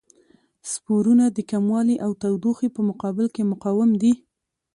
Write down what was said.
سپورونه د کموالي او تودوخې په مقابل کې مقاوم دي.